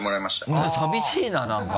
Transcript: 何寂しいななんか。